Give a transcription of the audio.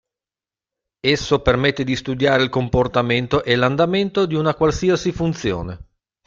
Esso permette di studiare il comportamento e l'andamento di una qualsiasi funzione.